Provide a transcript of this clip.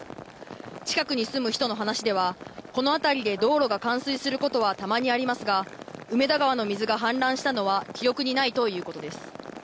近くに住む人の話ではこの辺りで道路が冠水することはたまにありますが、梅田川の水が氾濫したのは記憶にないということです。